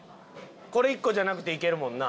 これ１個じゃなくていけるもんな。